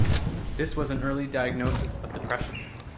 This was an early diagnosis of depression.